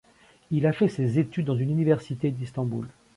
Il a fait ses études dans une université d'Istanbul.